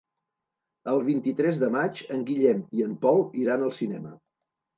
El vint-i-tres de maig en Guillem i en Pol iran al cinema.